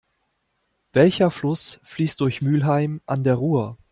Welcher Fluss fließt durch Mülheim an der Ruhr?